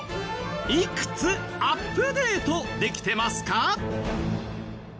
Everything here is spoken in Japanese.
いくつアップデートできてますか？